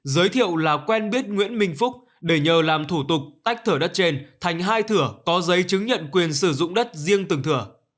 giới thiệu là quen biết nguyễn minh phúc để nhờ làm thủ tục tách thửa đất trên thành hai thửa có giấy chứng nhận quyền sử dụng đất riêng từng thừa